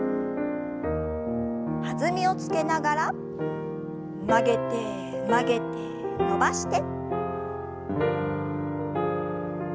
弾みをつけながら曲げて曲げて伸ばして。